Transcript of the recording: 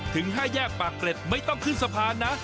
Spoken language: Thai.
๕แยกปากเกร็ดไม่ต้องขึ้นสะพานนะ